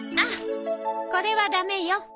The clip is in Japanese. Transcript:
あっこれはダメよ。